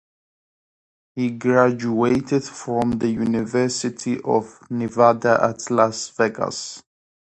He graduated from the University of Nevada at Las Vegas.